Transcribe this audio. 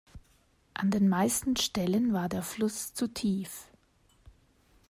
An den meisten Stellen war der Fluss zu tief.